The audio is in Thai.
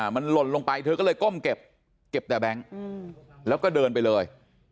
มันหล่นลงไปเธอก็เลยก้มเก็บแต่แบงค์แล้วก็เดินไปเลย